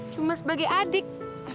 cuma sebagai adik